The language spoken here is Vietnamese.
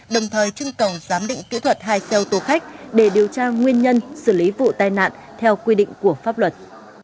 đồng thời trưng cầu giám định kỹ thuật hai xe ô tô khách để điều tra nguyên nhân xử lý vụ tai nạn theo quy định của pháp luật